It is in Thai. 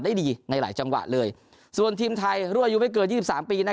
ได้ดีในหลายจังหวะเลยส่วนทีมไทยรั่วยูไม่เกิน๒๓ปีนะ